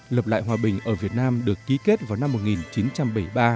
lập lại hòa bình ở việt nam được ký kết vào năm một nghìn chín trăm bảy mươi ba